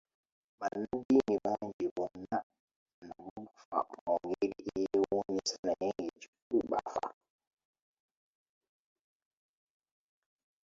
Bannaddiini bangi bonna nabo bafa mu ngeri eyewuunyisa naye ng'ekikulu bafa.